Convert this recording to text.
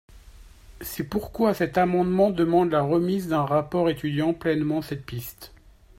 C’est pourquoi cet amendement demande la remise d’un rapport étudiant pleinement cette piste.